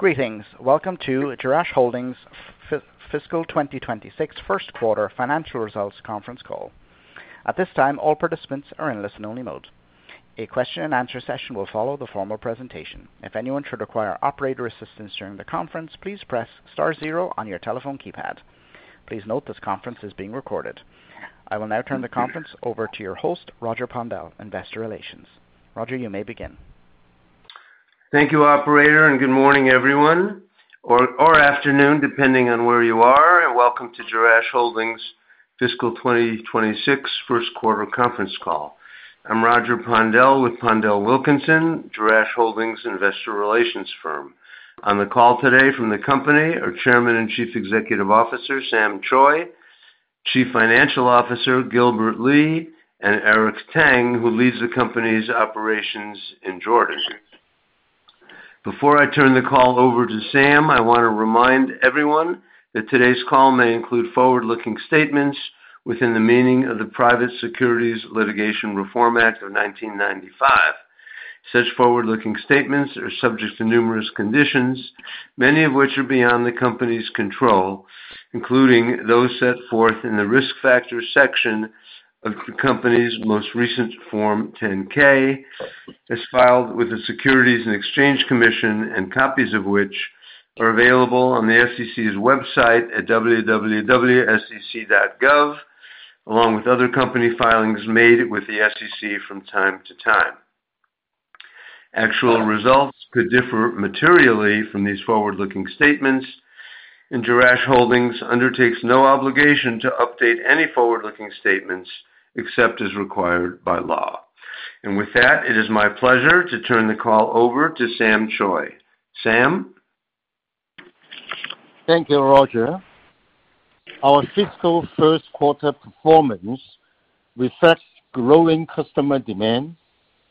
Greetings. Welcome to Jerash Holdings' Fiscal 2026 First Quarter Financial Results Conference Call. At this time, all participants are in listen-only mode. A question-and-answer session will follow the formal presentation. If anyone should require operator assistance during the conference, please press Star, zero on your telephone keypad. Please note this conference is being recorded. I will now turn the conference over to your host, Roger Pondel, Investor Relations. Roger, you may begin. Thank you, operator, and good morning, everyone, or afternoon, depending on where you are, and welcome to Jerash Holdings' Fiscal 2026 First Quarter Conference Call. I'm Roger Pondel with PondelWilkinson, Jerash Holdings' Investor Relations firm. On the call today from the company are Chairman and Chief Executive Officer Sam Choi, Chief Financial Officer Gilbert Lee, and Eric Tang, who leads the company's operations in Jordan. Before I turn the call over to Sam, I want to remind everyone that today's call may include forward-looking statements within the meaning of the Private Securities Litigation Reform Act of 1995. Such forward-looking statements are subject to numerous conditions, many of which are beyond the company's control, including those set forth in the Risk Factors section of the company's most recent Form 10-K, as filed with the Securities and Exchange Commission, and copies of which are available on the SEC's website at www.sec.gov, along with other company filings made with the SEC from time to time. Actual results could differ materially from these forward-looking statements, and Jerash Holdings undertakes no obligation to update any forward-looking statements except as required by law. With that, it is my pleasure to turn the call over to Sam Choi. Sam? Thank you, Roger. Our fiscal first quarter performance reflects growing customer demand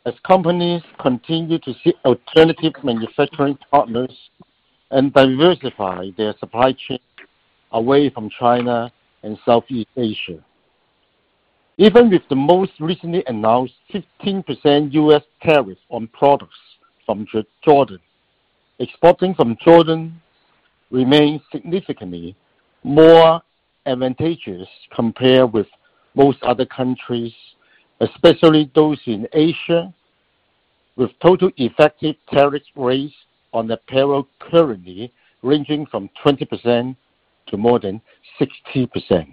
as companies continue to seek alternative manufacturing partners and diversify their supply chain away from China and Southeast Asia. Even with the most recently announced 15% U.S. tariff on products from Jordan, exporting from Jordan remains significantly more advantageous compared with most other countries, especially those in Asia, with total effective tariff rates on the payroll currently ranging from 20% to more than 60%.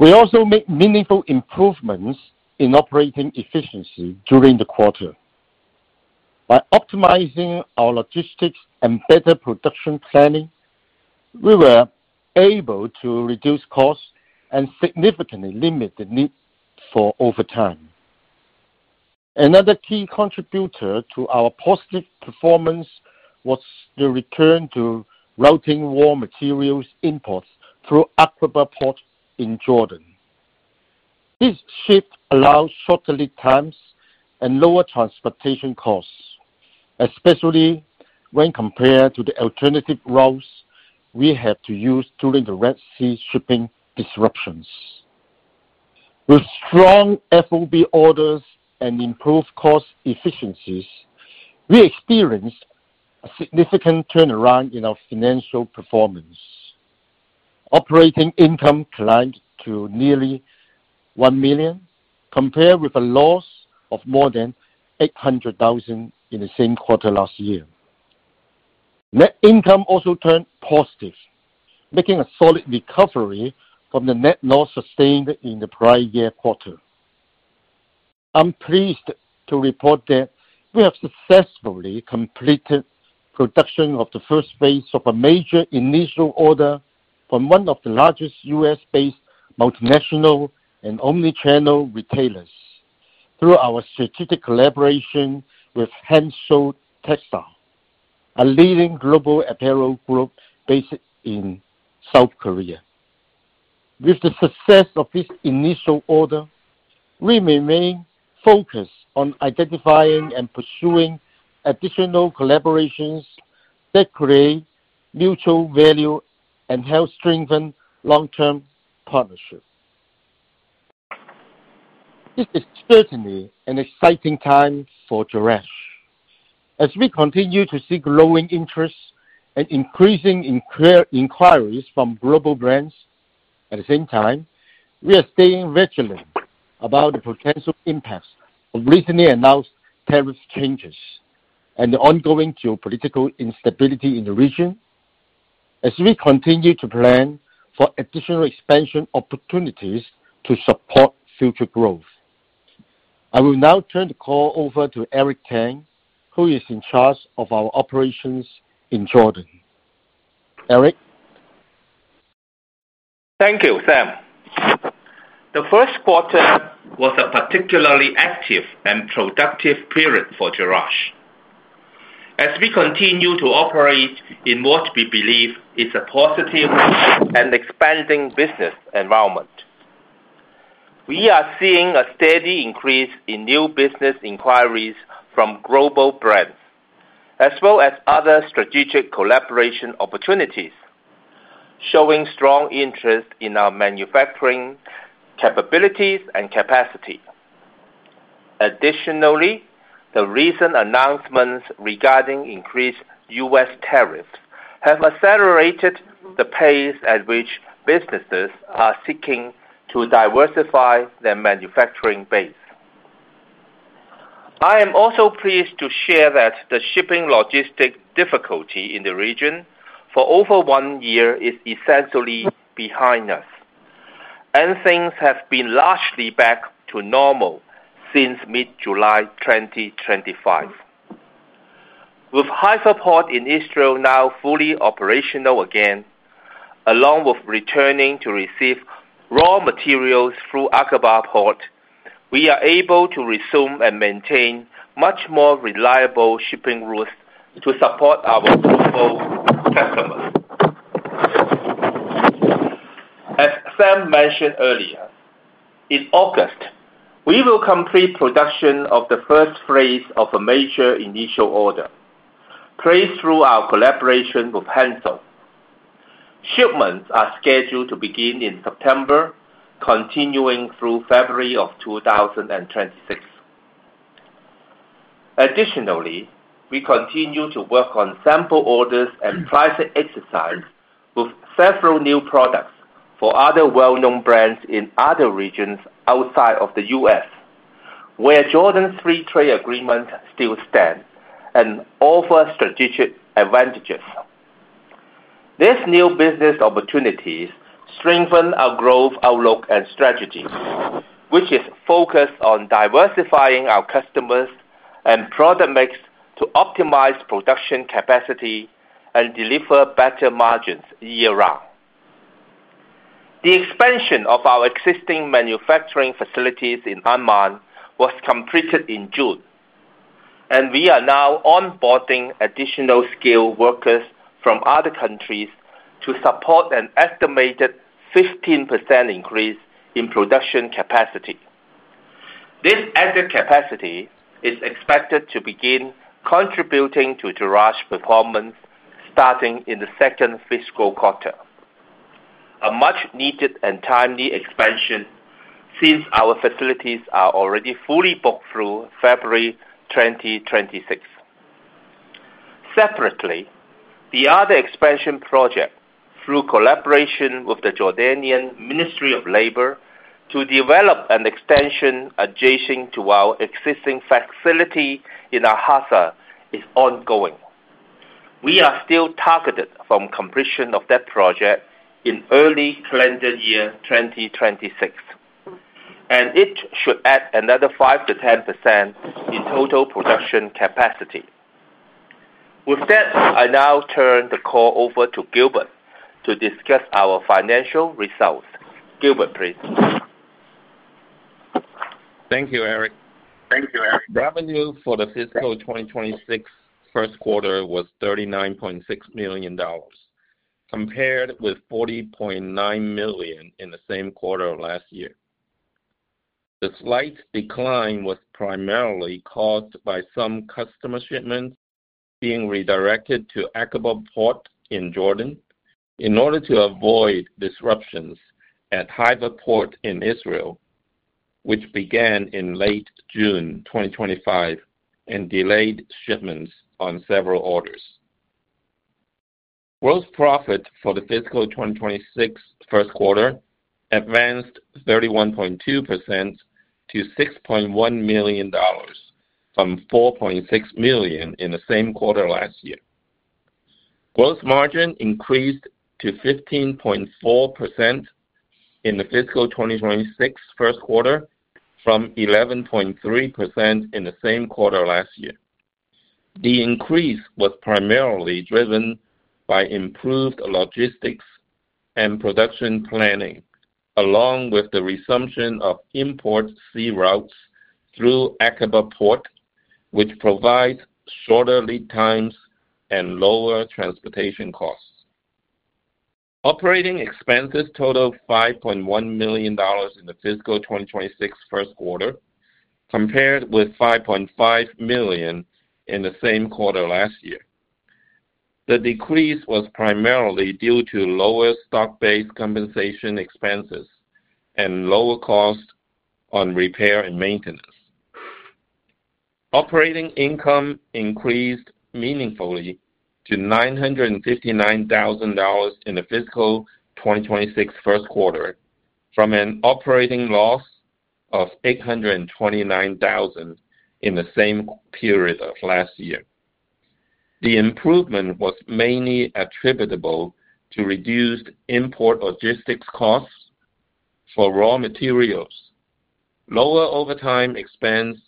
We also made meaningful improvements in operating efficiency during the quarter. By optimizing our logistics and better production planning, we were able to reduce costs and significantly limit the need for overtime. Another key contributor to our positive performance was the return to routing raw materials imports through Aqaba Port in Jordan. This shift allowed shorter lead times and lower transportation costs, especially when compared to the alternative routes we had to use during the Red Sea shipping disruptions. With strong FOB orders and improved cost efficiencies, we experienced a significant turnaround in our financial performance. Operating income climbed to nearly $1 million compared with a loss of more than $800,000 in the same quarter last year. Net income also turned positive, making a solid recovery from the net loss sustained in the prior year quarter. I'm pleased to report that we have successfully completed production of the first phase of a major initial order from one of the largest U.S.-based multinational and omnichannel retailers through our strategic collaboration with Hansoll Textile, a leading global apparel group based in South Korea. With the success of this initial order, we remain focused on identifying and pursuing additional collaborations that create mutual value and help strengthen long-term partnerships. This is certainly an exciting time for Jerash. As we continue to see growing interest and increasing inquiries from global brands, at the same time, we are staying vigilant about the potential impacts of recently announced tariff changes and the ongoing geopolitical instability in the region, as we continue to plan for additional expansion opportunities to support future growth. I will now turn the call over to Eric Tang, who is in charge of our operations in Jordan. Eric? Thank you, Sam. The first quarter was a particularly active and productive period for Jerash. As we continue to operate in what we believe is a positive and expanding business environment, we are seeing a steady increase in new business inquiries from global brands, as well as other strategic collaboration opportunities, showing strong interest in our manufacturing capabilities and capacity. Additionally, the recent announcements regarding increased U.S. tariffs have accelerated the pace at which businesses are seeking to diversify their manufacturing base. I am also pleased to share that the shipping logistics difficulty in the region for over one year is essentially behind us, and things have been largely back to normal since mid-July 2025. With Haifa Port in Israel now fully operational again, along with returning to receive raw materials through Aqaba Port, we are able to resume and maintain much more reliable shipping routes to support our global customers. As Sam mentioned earlier, in August, we will complete production of the first phase of a major initial order, placed through our collaboration with Hansoll. Shipments are scheduled to begin in September, continuing through February of 2026. Additionally, we continue to work on sample orders and pricing exercise with several new products for other well-known brands in other regions outside of the U.S., where Jordan's free trade agreements still stand and offer strategic advantages. These new business opportunities strengthen our growth outlook and strategy, which is focused on diversifying our customers and product mix to optimize production capacity and deliver better margins year-round. The expansion of our existing manufacturing facilities in Amman was completed in June, and we are now onboarding additional skilled workers from other countries to support an estimated 15% increase in production capacity. This added capacity is expected to begin contributing to Jerash's performance starting in the second fiscal quarter, a much-needed and timely expansion since our facilities are already fully booked through February 2026. Separately, the other expansion project through collaboration with the Jordanian Ministry of Labor to develop an extension adjacent to our existing facility in Al-Hasa is ongoing. We are still targeted for completion of that project in early calendar year 2026, and it should add another 5%-10% in total production capacity. With that, I now turn the call over to Gilbert to discuss our financial results. Gilbert, please. Thank you, Eric. Thank you, Eric. Revenue for the fiscal 2026 first quarter was $39.6 million, compared with $40.9 million in the same quarter last year. The slight decline was primarily caused by some customer shipments being redirected to Aqaba Port in Jordan in order to avoid disruptions at Haifa Port in Israel, which began in late June 2025 and delayed shipments on several orders. Gross profit for the fiscal 2026 first quarter advanced 31.2% to $6.1 million from $4.6 million in the same quarter last year. Gross margin increased to 15.4% in the fiscal 2026 first quarter from 11.3% in the same quarter last year. The increase was primarily driven by improved logistics and production planning, along with the resumption of import sea routes through Aqaba Port, which provides shorter lead times and lower transportation costs. Operating expenses totaled $5.1 million in the fiscal 2026 first quarter, compared with $5.5 million in the same quarter last year. The decrease was primarily due to lower stock-based compensation expenses and lower costs on repair and maintenance. Operating income increased meaningfully to $959,000 in the fiscal 2026 first quarter from an operating loss of $829,000 in the same period of last year. The improvement was mainly attributable to reduced import logistics costs for raw materials, lower overtime expense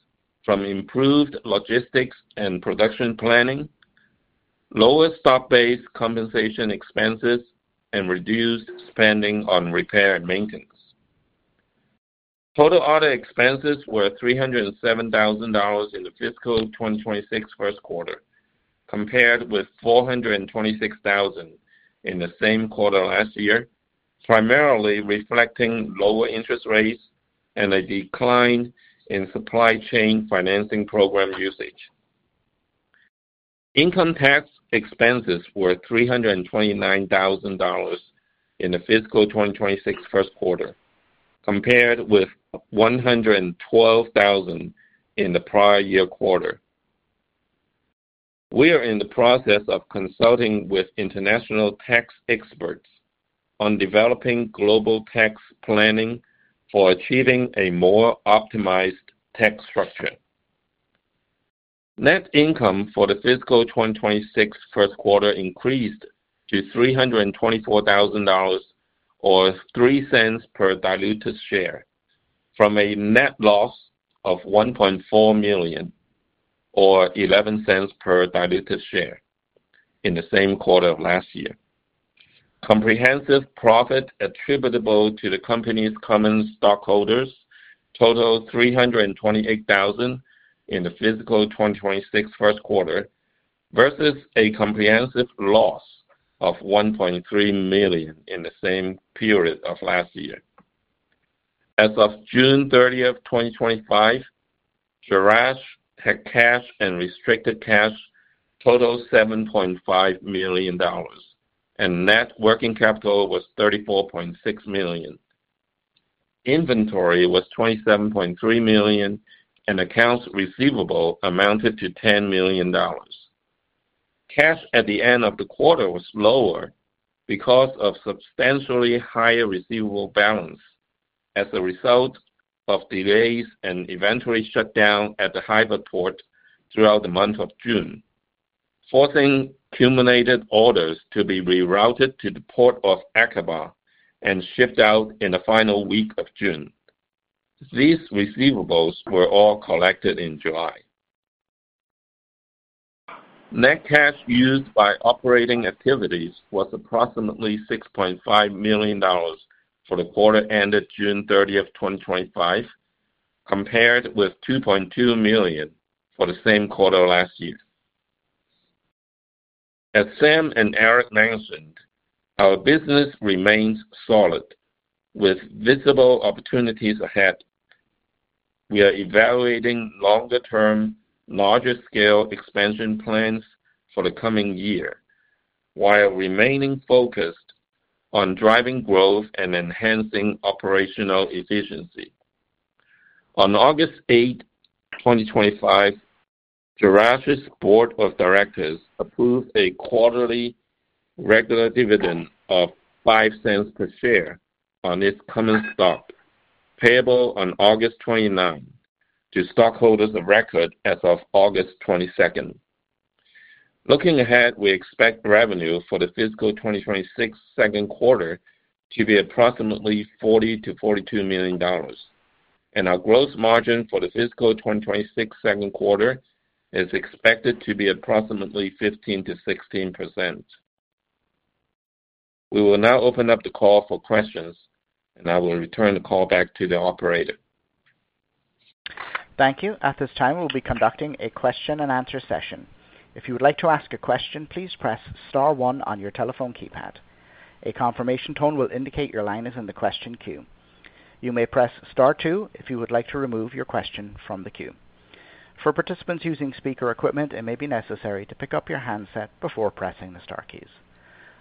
from improved logistics and production planning, lower stock-based compensation expenses, and reduced spending on repair and maintenance. Total audit expenses were $307,000 in the fiscal 2026 first quarter, compared with $426,000 in the same quarter last year, primarily reflecting lower interest rates and a decline in supply chain financing program usage. Income tax expenses were $329,000 in the fiscal 2026 first quarter, compared with $112,000 in the prior year quarter. We are in the process of consulting with international tax experts on developing global tax planning for achieving a more optimized tax structure. Net income for the fiscal 2026 first quarter increased to $324,000 or $0.03 per diluted share from a net loss of $1.4 million or $0.11 per diluted share in the same quarter of last year. Comprehensive profit attributable to the company's common stockholders totaled $328,000 in the fiscal 2026 first quarter versus a comprehensive loss of $1.3 million in the same period of last year. As of June 30th, 2025, Jerash had cash and restricted cash totaled $7.5 million, and net working capital was $34.6 million. Inventory was $27.3 million, and accounts receivable amounted to $10 million. Cash at the end of the quarter was lower because of a substantially higher receivable balance as a result of delays and eventual shutdown at the Haifa Port throughout the month of June, forcing cumulative orders to be rerouted to the port of Aqaba and shipped out in the final week of June. These receivables were all collected in July. Net cash used by operating activities was approximately $6.5 million for the quarter ended June 30th, 2025, compared with $2.2 million for the same quarter last year. As Sam and Eric mentioned, our business remains solid with visible opportunities ahead. We are evaluating longer-term, larger-scale expansion plans for the coming year, while remaining focused on driving growth and enhancing operational efficiency. On August 8th, 2025, Jerash's board of directors approved a quarterly regular dividend of $0.05 per share on its common stock, payable on August 29 to stockholders of record as of August 22nd. Looking ahead, we expect revenue for the fiscal 2026 second quarter to be approximately $40 million-$42 million, and our gross margin for the fiscal 2026 second quarter is expected to be approximately 15%-16%. We will now open up the call for questions, and I will return the call back to the operator. Thank you. At this time, we'll be conducting a question-and-answer session. If you would like to ask a question, please press Star, one on your telephone keypad. A confirmation tone will indicate your line is in the question queue. You may press Star, two if you would like to remove your question from the queue. For participants using speaker equipment, it may be necessary to pick up your handset before pressing the star keys.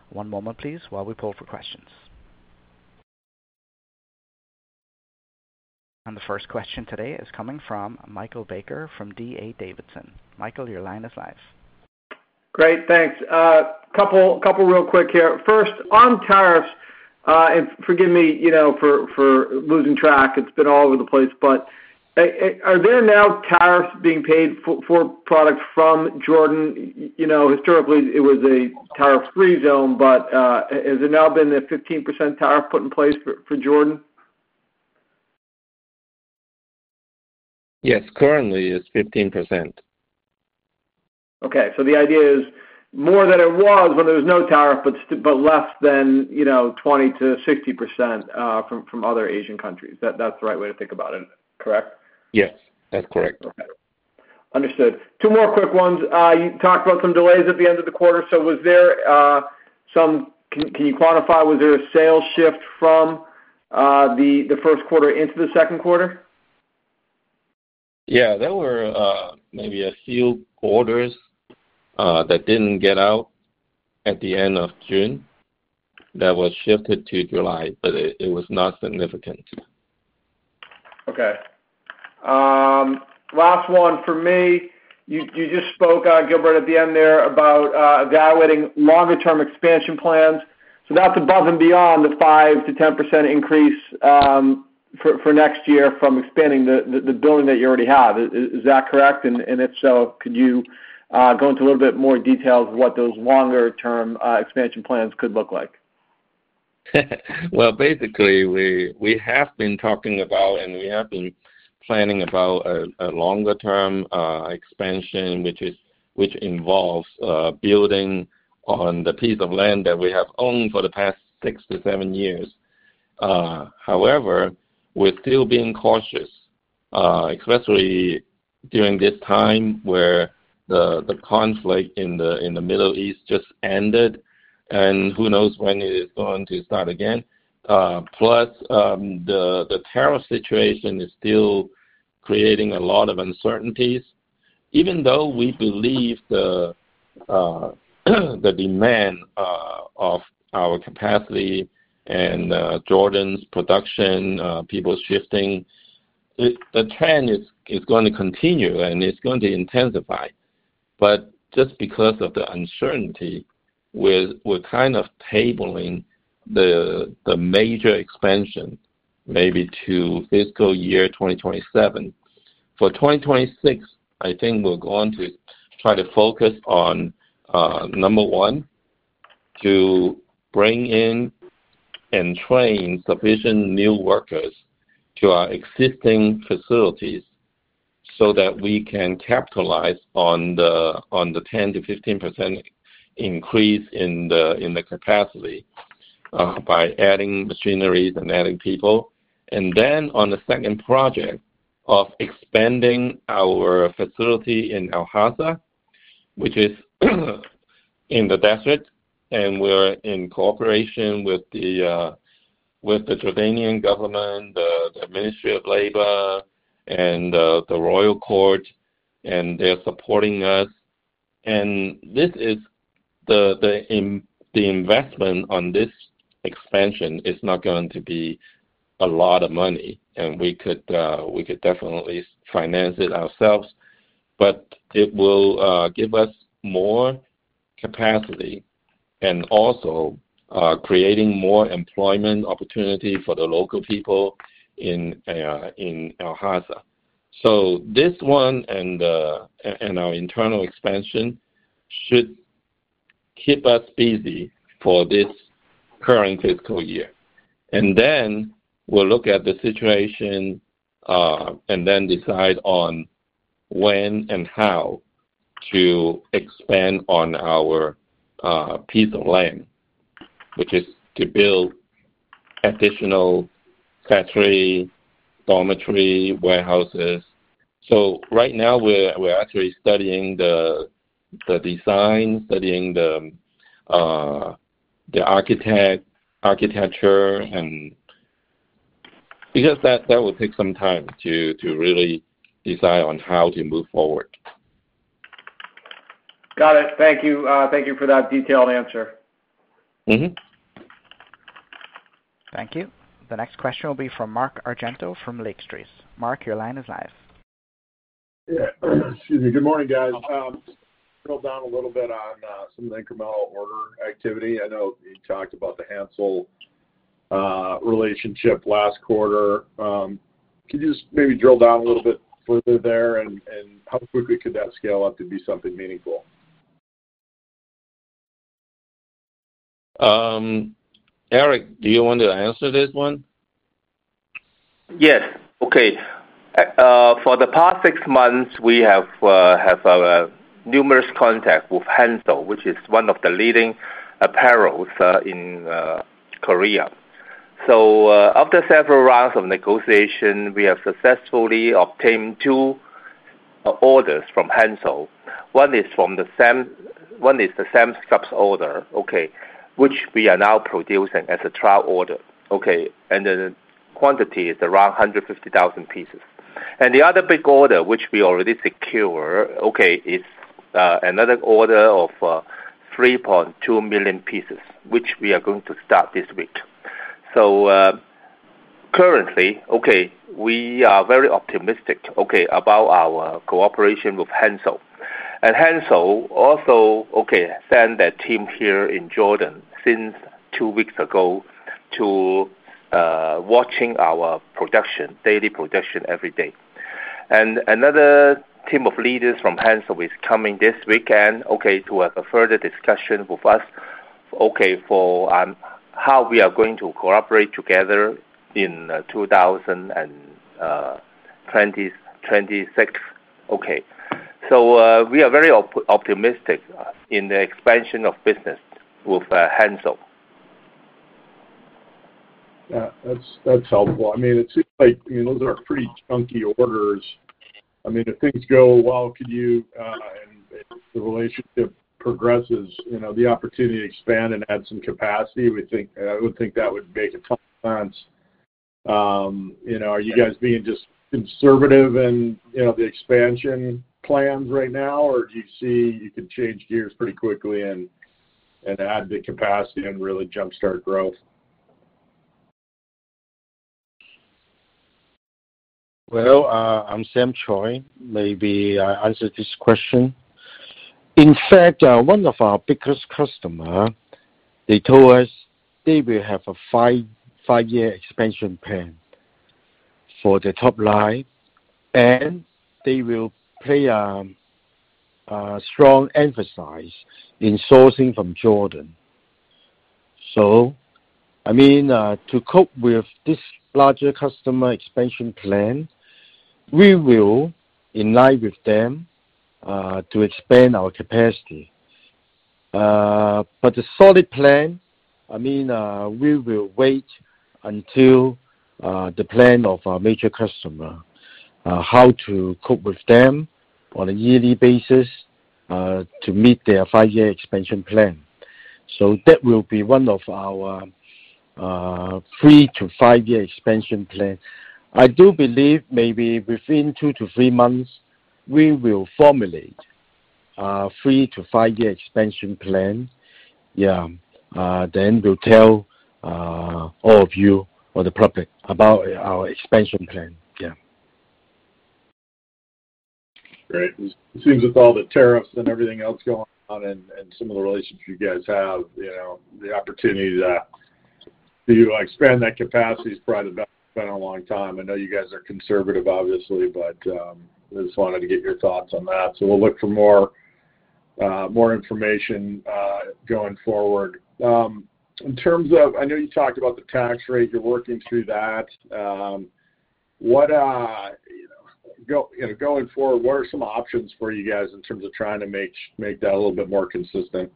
One moment, please, while we pull for questions. The first question today is coming from Michael Baker from D.A. Davidson. Michael, your line is live. Great, thanks. A couple real quick here. First, on tariffs, and forgive me, you know, for losing track. It's been all over the place, but are there now tariffs being paid for products from Jordan? You know, historically, it was a tariff-free zone, but has there now been a 15% tariff put in place for Jordan? Yes, currently it's 15%. Okay, the idea is more than it was when there was no tariff, but less than, you know, 20%-60% from other Asian countries. That's the right way to think about it, correct? Yes, that's correct. Okay, understood. Two more quick ones. You talked about some delays at the end of the quarter. Was there, can you quantify, was there a sales shift from the first quarter into the second quarter? Yeah, there were maybe a few orders that didn't get out at the end of June that was shifted to July, but it was not significant. Okay. Last one for me. You just spoke, Gilbert, at the end there about evaluating longer-term expansion plans. That's above and beyond the 5%-10% increase for next year from expanding the building that you already have. Is that correct? If so, could you go into a little bit more detail of what those longer-term expansion plans could look like? Basically, we have been talking about and we have been planning about a longer-term expansion, which involves building on the piece of land that we have owned for the past six to seven years. However, we're still being cautious, especially during this time where the conflict in the Middle East just ended, and who knows when it is going to start again. Plus, the tariff situation is still creating a lot of uncertainties. Even though we believe the demand of our capacity and Jordan's production, people shifting, the trend is going to continue and it's going to intensify. Just because of the uncertainty, we're kind of tabling the major expansion maybe to fiscal year 2027. For 2026, I think we're going to try to focus on, number one, to bring in and train sufficient new workers to our existing facilities so that we can capitalize on the 10%-15% increase in the capacity, by adding machineries and adding people. Then on the second project of expanding our facility in Al-Hasa, which is in the desert, and we're in cooperation with the Jordanian government, the Ministry of Labor, and the Royal Court, and they're supporting us. The investment on this expansion is not going to be a lot of money, and we could definitely finance it ourselves, but it will give us more capacity and also create more employment opportunity for the local people in Al-Hassan. This one and our internal expansion should keep us busy for this current fiscal year. We'll look at the situation, and then decide on when and how to expand on our piece of land, which is to build additional factories, dormitories, warehouses. Right now, we're actually studying the design, studying the architecture, and because that will take some time to really decide on how to move forward. Got it. Thank you. Thank you for that detailed answer. Thank you. The next question will be from Mark Argento from Lake Street. Mark, your line is live. Excuse me. Good morning, guys. Drill down a little bit on some of the incremental order activity. I know you talked about the Hansoll relationship last quarter. Could you just maybe drill down a little bit further there and how quickly could that scale up to be something meaningful? Eric, do you want to answer this one? Yes. Okay. For the past six months, we have had numerous contacts with Hansoll, which is one of the leading apparel groups in Korea. After several rounds of negotiation, we have successfully obtained two orders from Hansoll. One is the same staff's order, which we are now producing as a trial order, and the quantity is around 150,000 pieces. The other big order, which we already secured, is another order of 3.2 million pieces, which we are going to start this week. Currently, we are very optimistic about our cooperation with Hansoll. Hansoll also sent their team here in Jordan two weeks ago to watch our daily production. Another team of leaders from Hansoll is coming this weekend to have a further discussion with us for how we are going to cooperate together in 2026. We are very optimistic in the expansion of business with Hansoll Yeah, that's helpful. I mean, it seems like you know those are pretty chunky orders. I mean, if things go well, could you, and if the relationship progresses, you know the opportunity to expand and add some capacity, we think that would make a ton of sense. You know, are you guys being just conservative in the expansion plans right now, or do you see you could change gears pretty quickly and add the capacity and really jumpstart growth? I'm Sam Choi. Maybe I answer this question. In fact, one of our biggest customers told us they will have a five-year expansion plan for the top line, and they will place a strong emphasis in sourcing from Jordan. I mean, to cope with this larger customer expansion plan, we will align with them to expand our capacity. The solid plan, I mean, we will wait until the plan of our major customer, how to cope with them on a yearly basis to meet their five-year expansion plan. That will be one of our three to five-year expansion plans. I do believe maybe within two to three months, we will formulate a three to five-year expansion plan. We'll tell all of you in public about our expansion plan. Great. Seeing with all the tariffs and everything else going on and some of the relationships you guys have, the opportunity to expand that capacity is probably the best plan in a long time. I know you guys are conservative, obviously, but I just wanted to get your thoughts on that. We'll look for more information going forward. In terms of, I know you talked about the tax rate, you're working through that. Going forward, what are some options for you guys in terms of trying to make that a little bit more consistent?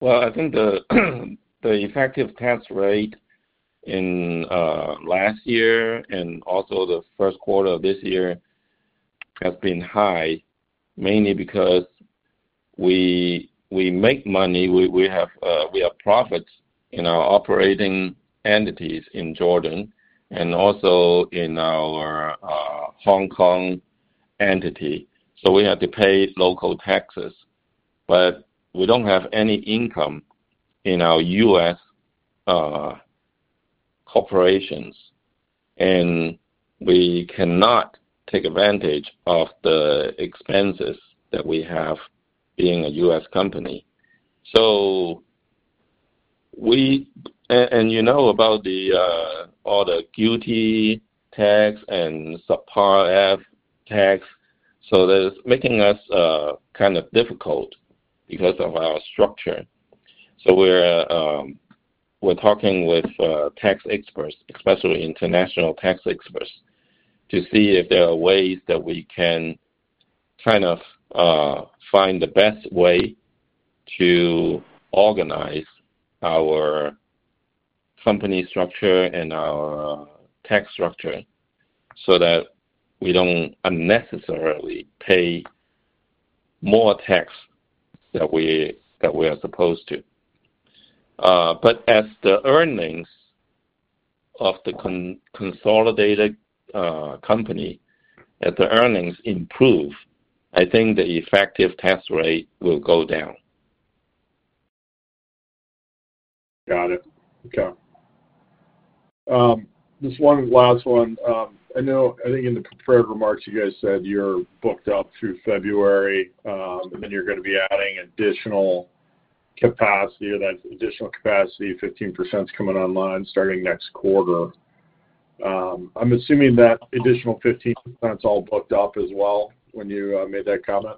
I think the effective tax rate in last year and also the first quarter of this year has been high, mainly because we make money. We have profits in our operating entities in Jordan and also in our Hong Kong entity, so we have to pay local taxes. We don't have any income in our U.S. corporations, and we cannot take advantage of the expenses that we have being a U.S. company. You know about all the duty tax and supplier tax. That's making us kind of difficult because of our structure. We're talking with tax experts, especially international tax experts, to see if there are ways that we can find the best way to organize our company structure and our tax structure so that we don't unnecessarily pay more tax than we are supposed to. As the earnings of the consolidated company, as the earnings improve, I think the effective tax rate will go down. Got it. Okay. Just one last one. I know, I think in the prepared remarks, you guys said you're booked up through February, and then you're going to be adding additional capacity, or that additional capacity, 15%, is coming online starting next quarter. I'm assuming that additional 15% is all booked up as well when you made that comment?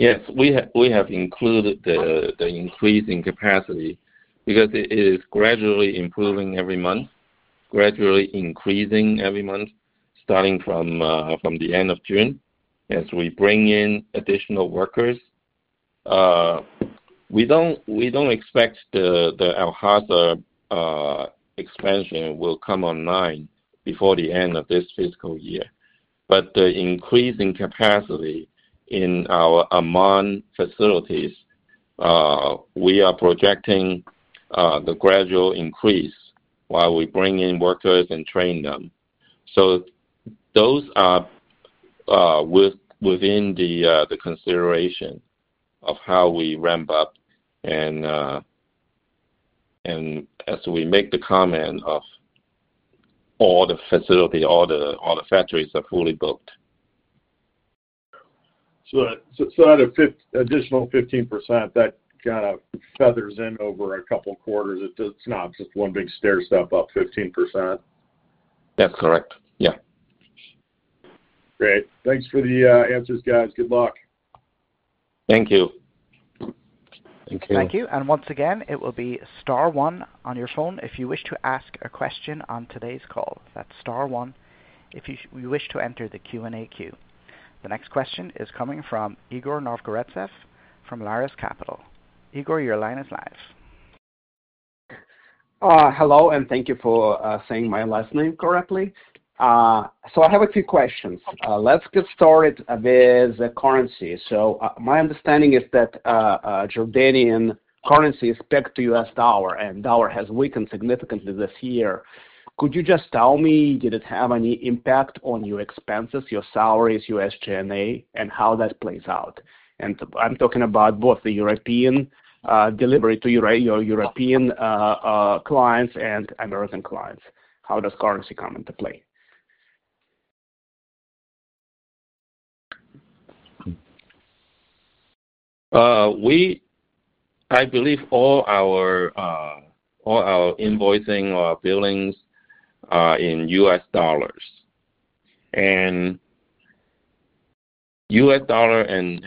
Yes. We have included the increase in capacity because it is gradually improving every month, gradually increasing every month, starting from the end of June as we bring in additional workers. We don't expect the Al-Hasa expansion will come online before the end of this fiscal year. The increase in capacity in our Amman facilities, we are projecting the gradual increase while we bring in workers and train them. Those are within the consideration of how we ramp up. As we make the comment of all the facilities, all the factories are fully booked. Add an additional 15%. That kind of feathers in over a couple of quarters. It's not just one big stairstep up 15%. That's correct, yeah. Great. Thanks for the answers, guys. Good luck. Thank you. Thank you. Thank you. Once again, it will be Star, one on your phone if you wish to ask a question on today's call. That's Star, one if you wish to enter the Q&A queue. The next question is coming from Igor Novgorodtsev from Lares Capital. Igor, your line is live. Hello, and thank you for saying my last name correctly. I have a few questions. Let's get started with the currency. My understanding is that Jordanian currency is pegged to the U.S. dollar, and the dollar has weakened significantly this year. Could you just tell me, did it have any impact on your expenses, your salaries, your SG&A, and how that plays out? I'm talking about both the European delivery to your European clients and American clients. How does currency come into play? I believe all our invoicing or billings are in U.S. dollars. U.S. dollar and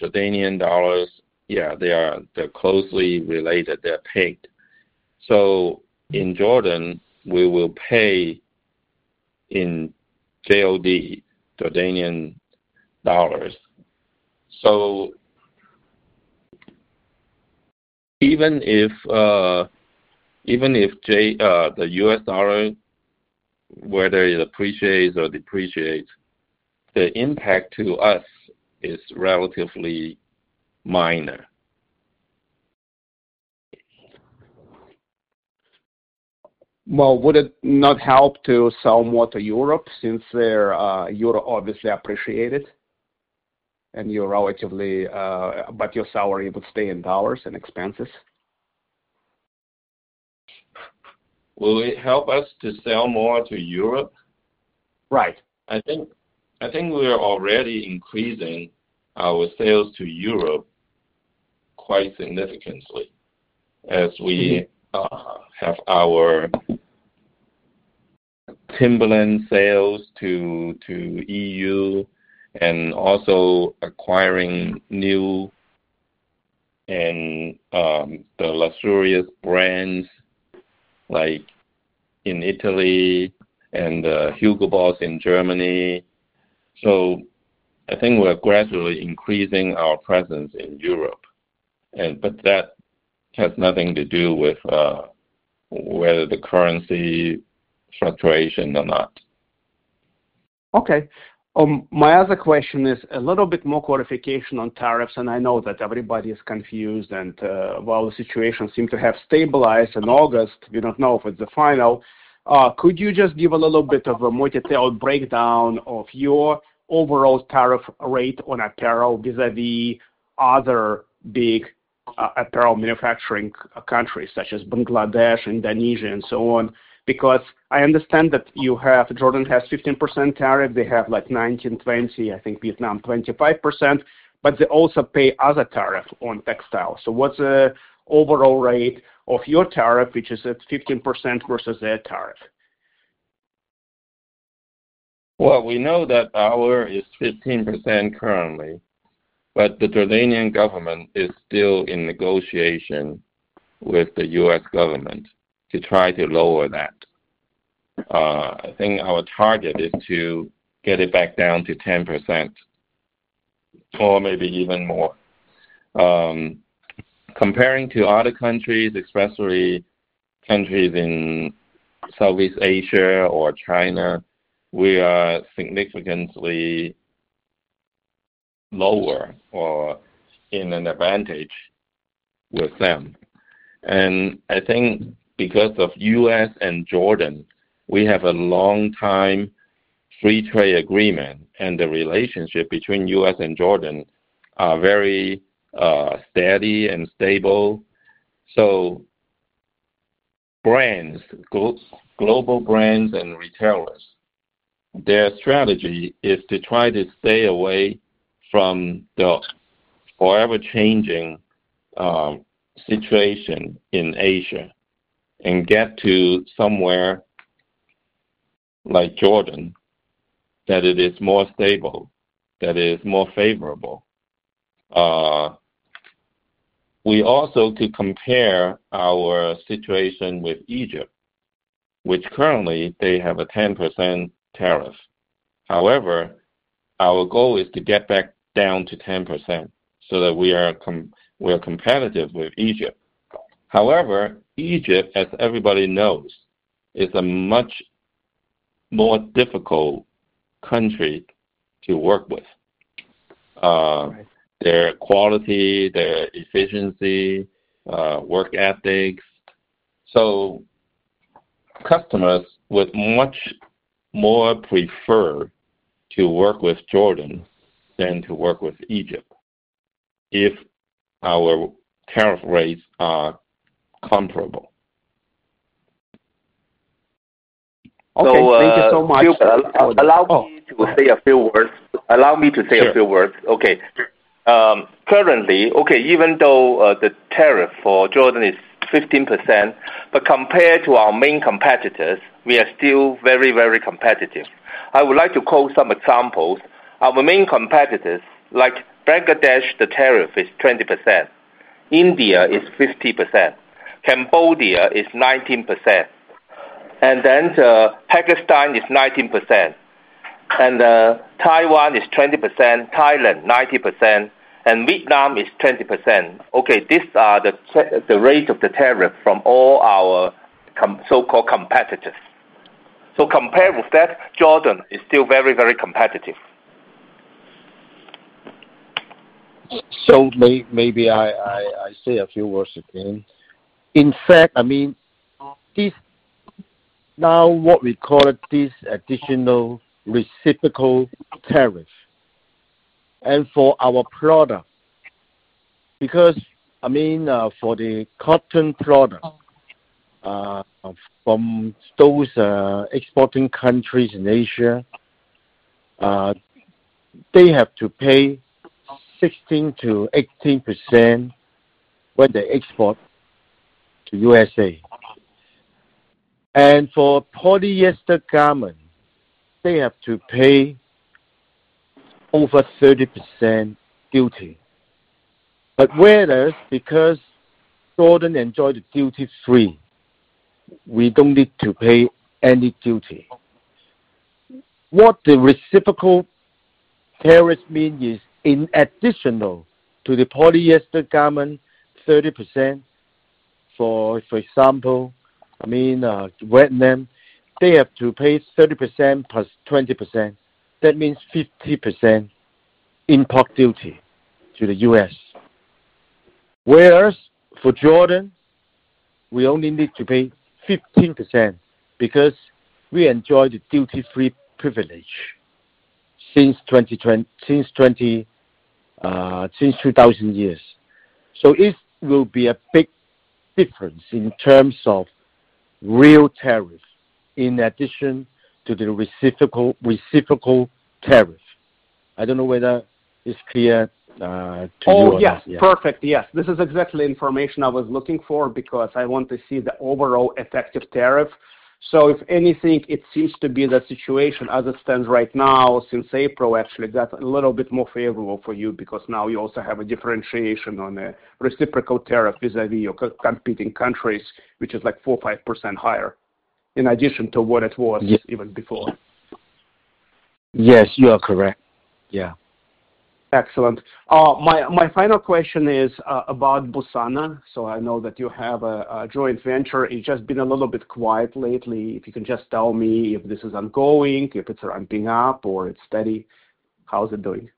Jordanian dinar, yeah, they're closely related. They're pegged. In Jordan, we will pay in JOD, Jordanian dollars. Even if the U.S. dollar, whether it appreciates or depreciates, the impact to us is relatively minor. Would it not help to sell more to Europe since Europe obviously appreciated? You're relatively, but your salary would stay in dollars and expenses? Will it help us to sell more to Europe? Right. I think we're already increasing our sales to Europe quite significantly as we have our Timberland sales to the E.U. and also acquiring new and the luxurious brands like in Italy and the Hugo Boss in Germany. I think we're gradually increasing our presence in Europe, and that has nothing to do with whether the currency fluctuation or not. Okay. My other question is a little bit more clarification on tariffs. I know that everybody is confused. While the situation seems to have stabilized in August, we don't know if it's the final. Could you just give a little bit of a more detailed breakdown of your overall tariff rate on apparel vis-à-vis other big apparel manufacturing countries such as Bangladesh, Indonesia, and so on? I understand that Jordan has a 15% tariff. They have like 19%, 20%, I think Vietnam 25%. They also pay other tariffs on textiles. What's the overall rate of your tariff, which is at 15% versus their tariff? Ours is 15% currently, but the Jordanian government is still in negotiation with the U.S. government to try to lower that. I think our target is to get it back down to 10% or maybe even more. Comparing to other countries, especially countries in Southeast Asia or China, we are significantly lower or in an advantage with them. I think because of U.S. and Jordan, we have a long-time free trade agreement, and the relationship between U.S. and Jordan is very steady and stable. Brands, global brands, and retailers, their strategy is to try to stay away from the forever-changing situation in Asia and get to somewhere like Jordan that is more stable, that is more favorable. We also compare our situation with Egypt, which currently has a 10% tariff. However, our goal is to get back down to 10% so that we are competitive with Egypt. However, Egypt, as everybody knows, is a much more difficult country to work with. Their quality, their efficiency, work ethics. Customers would much more prefer to work with Jordan than to work with Egypt if our tariff rates are comparable. Okay. Thank you so much. Allow me to say a few words. Okay. Currently, even though the tariff for Jordan is 15%, compared to our main competitors, we are still very, very competitive. I would like to quote some examples. Our main competitors, like Bangladesh, the tariff is 20%. India is 50%. Cambodia is 19%. Pakistan is 19%. Taiwan is 20%. Thailand is 90%. Vietnam is 20%. These are the rates of the tariff from all our so-called competitors. Compared with that, Jordan is still very, very competitive. So maybe I say a few words again. In fact, now what we call this additional reciprocal tariff, and for our product, because for the cotton product from those exporting countries in Asia, they have to pay 16%-18% when they export to the U.S.A. For polyester garment, they have to pay over 30% duty. Whereas, because Jordan enjoys the duty-free, we don't need to pay any duty. What the reciprocal tariff means is in addition to the polyester garment, 30% for, for example, I mean, Vietnam, they have to pay 30%+20%. That means 50% import duty to the U.S. Whereas for Jordan, we only need to pay 15% because we enjoy the duty-free privilege since 2000. It will be a big difference in terms of real tariff in addition to the reciprocal tariff. I don't know whether it's clear to you or not. Yeah. Perfect. Yes. This is exactly the information I was looking for because I want to see the overall effective tariff. If anything, it seems to be that the situation as it stands right now since April actually got a little bit more favorable for you because now you also have a differentiation on a reciprocal tariff vis-à-vis your competing countries, which is like 4% or 5% higher in addition to what it was even before. Yes, you are correct. Yeah. Excellent. My final question is about Busana. I know that you have a joint venture. It's just been a little bit quiet lately. If you can just tell me if this is ongoing, if it's ramping up, or it's steady. How's it doing?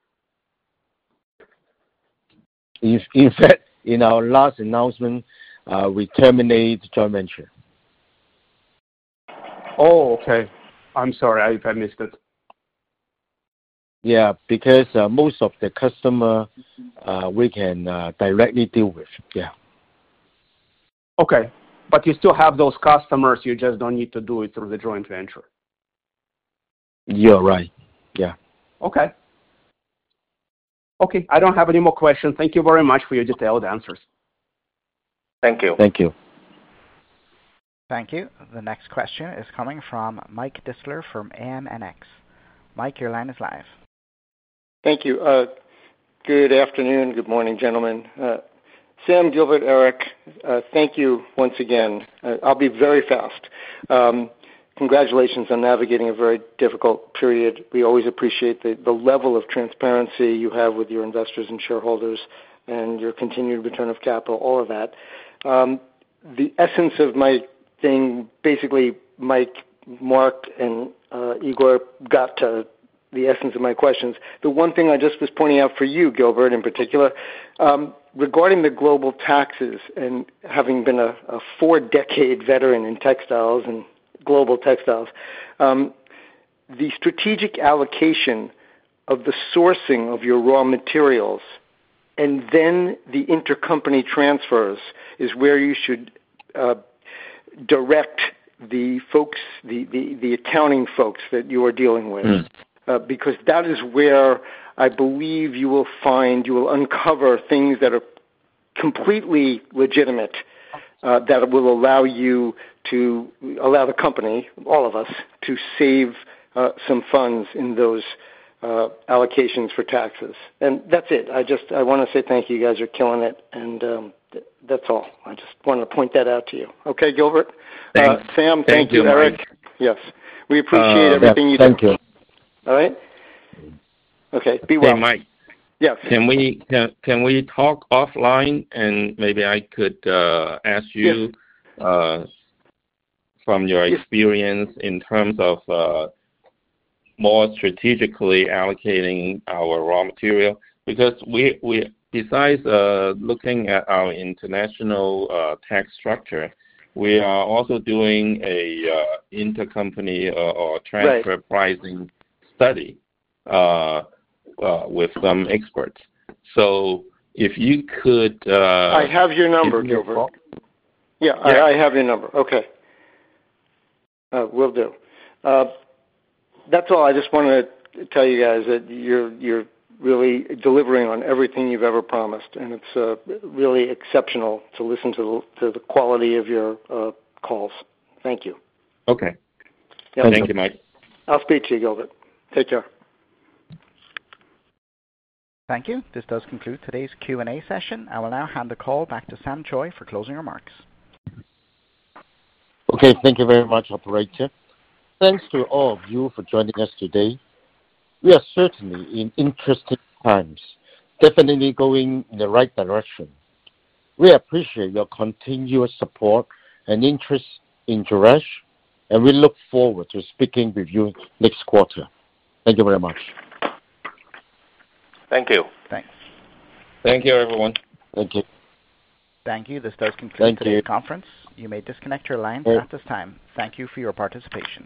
In fact, in our last announcement, we terminated the joint venture. Oh, okay. I'm sorry. I missed it. Yeah, because most of the customers we can directly deal with. Okay. You still have those customers. You just don't need to do it through the joint venture. You're right, yeah. Okay. Okay. I don't have any more questions. Thank you very much for your detailed answers. Thank you. Thank you. Thank you. The next question is coming from Mike Distler from AMNX. Mike, your line is live. Thank you. Good afternoon. Good morning, gentlemen. Sam, Gilbert, Eric, thank you once again. I'll be very fast. Congratulations on navigating a very difficult period. We always appreciate the level of transparency you have with your investors and shareholders and your continued return of capital, all of that. The essence of my thing, basically, Mike, Mark, and Igor got to the essence of my questions. The one thing I just was pointing out for you, Gilbert, in particular, regarding the global taxes and having been a four-decade veteran in textiles and global textiles, the strategic allocation of the sourcing of your raw materials and then the intercompany transfers is where you should direct the folks, the accounting folks that you are dealing with, because that is where I believe you will find, you will uncover things that are completely legitimate that will allow you to allow the company, all of us, to save some funds in those allocations for taxes. That's it. I just want to say thank you. You guys are killing it. That's all. I just wanted to point that out to you. Okay, Gilbert? Thank you. Sam, thank you. Eric, yes, we appreciate everything you do. Thank you. All right. Okay. Be well. Sam, Mike. Yes. Can we talk offline and maybe I could ask you from your experience in terms of more strategically allocating our raw material? Because we, besides looking at our international tax structure, we are also doing an intercompany or transfer pricing study with some experts. If you could. I have your number, Gilbert. I have your number. Okay. Will do. That's all. I just want to tell you guys that you're really delivering on everything you've ever promised. It's really exceptional to listen to the quality of your calls. Thank you. Okay. Yeah, thank you, Mike. I'll speak to you, Gilbert. Take care. Thank you. This does conclude today's Q&A session. I will now hand the call back to Sam Choi for closing remarks. Okay. Thank you very much, operator. Thanks to all of you for joining us today. We are certainly in interesting times, definitely going in the right direction. We appreciate your continuous support and interest in Jerash, and we look forward to speaking with you next quarter. Thank you very much. Thank you. Thank you, everyone. Thank you. Thank you. This does conclude today's conference. You may disconnect your lines at this time. Thank you for your participation.